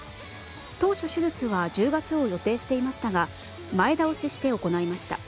当初、手術は１０月を予定していましたが前倒しして行いました。